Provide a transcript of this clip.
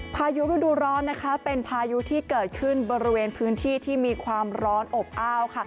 พายุฤดูร้อนเป็นพายุที่เกิดขึ้นบริเวณพื้นที่ที่มีความร้อนอบอ้าว